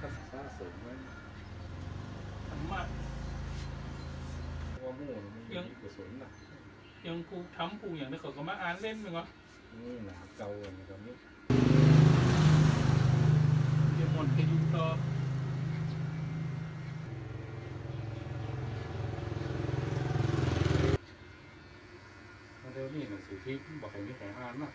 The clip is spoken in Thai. ถ้าเท่านี้สิทธิ์บอกให้มีแขนอ่านล่ะ